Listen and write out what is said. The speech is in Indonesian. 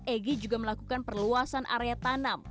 egy juga melakukan perluasan area tanam